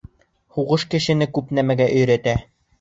Һуғыш кешене күп нәмәгә өйрәтә.